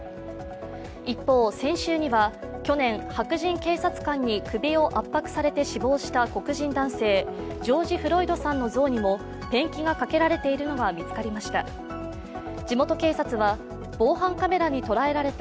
一方、先週には去年、白人警察官に首を圧迫されて死亡した黒人男性ジョージ・フロイドさんの像にもペンキがかけられているのが見つかりました。